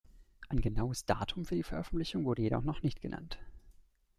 Ein genaues Datum für die Veröffentlichung wurde jedoch noch nicht genannt.